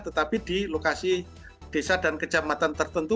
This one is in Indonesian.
tetapi di lokasi desa dan kecamatan tertentu